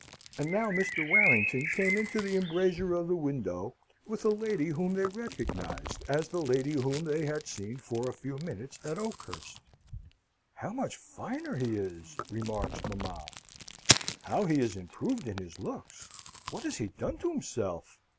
And now Mr. Warrington came into the embrasure of the window with a lady whom they recognised as the lady whom they had seen for a few minutes at Oakhurst. "How much finer he is!" remarks mamma. "How he is improved in his looks! What has he done to himself?"